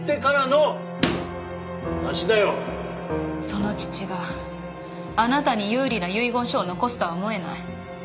その父があなたに有利な遺言書を残すとは思えない。